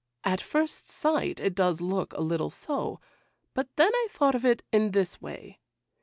At first sight it does look a little so, but then I thought of it in this way.